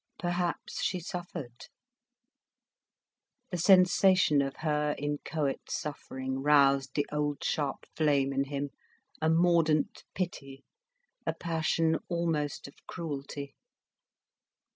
Perhaps she suffered. The sensation of her inchoate suffering roused the old sharp flame in him, a mordant pity, a passion almost of cruelty.